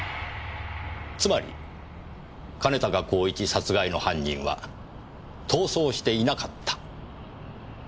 つまり兼高公一殺害の犯人は逃走していなかった。